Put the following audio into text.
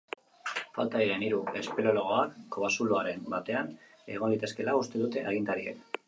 Falta diren hiru espeleologoak kobazuloren batean egon litezkeela uste dute agintariek.